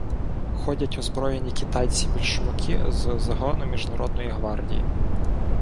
Ходять озброєні китайці-більшовики з загону міжнародної гвардії.